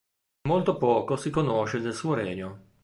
Molto poco si conosce del suo regno.